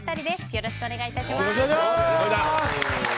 よろしくお願いします。